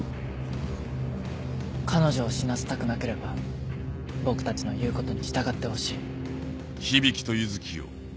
彼女を死なせたくなければ僕たちの言うことに従ってほしい。